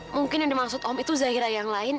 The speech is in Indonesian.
mungkin yang dimaksud om itu zahira yang lain